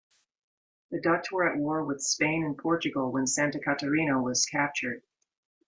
The Dutch were at war with Spain and Portugal when "Santa Catarina" was captured.